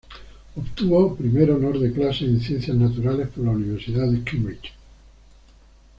Obtuvo Primer Honor de Clase en Ciencias Naturales por la Universidad de Cambridge.